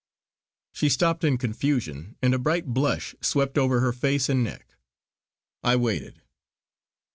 she stopped in confusion, and a bright blush swept over her face and neck. I waited.